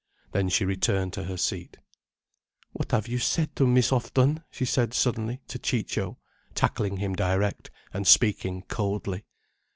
Then she returned to her seat. "What have you said to Miss Houghton?" she said suddenly to Ciccio, tackling him direct, and speaking coldly.